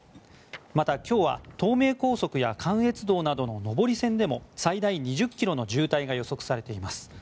また、今日は東名高速や関越道などの上り線でも最大２０ｋｍの渋滞が予測されています。